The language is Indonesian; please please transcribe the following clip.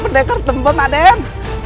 berdekat tembong aden